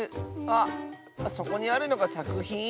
あっそこにあるのがさくひん？